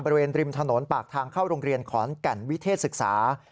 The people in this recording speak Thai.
บริเวณริมถนนปากทางเข้าโรงเรียนขอนแก่นวิเทศศึกษา